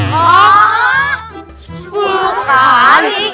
wow biasanya juga lima kali